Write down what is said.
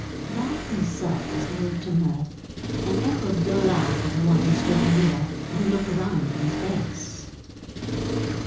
Ralph himself was moved to mirth, and echoed the laugh of one who stood near and who looked round in his face.